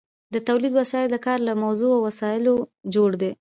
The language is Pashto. د تولید وسایل د کار له موضوع او وسایلو جوړ دي.